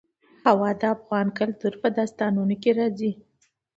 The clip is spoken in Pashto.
هوا د افغان کلتور په داستانونو کې راځي.